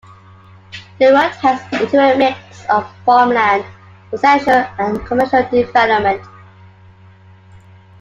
The road heads into a mix of farmland and residential and commercial development.